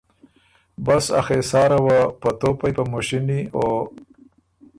بس ا خېساره وه په توپئ په مُشینی او